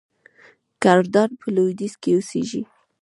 کردان په لویدیځ کې اوسیږي.